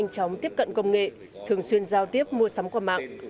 nhanh chóng tiếp cận công nghệ thường xuyên giao tiếp mua sắm qua mạng